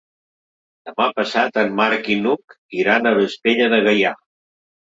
Demà passat en Marc i n'Hug iran a Vespella de Gaià.